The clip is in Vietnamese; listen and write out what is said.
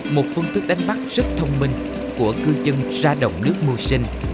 một phương tức đánh bắt rất thông minh của cư dân ra đồng nước mùa sinh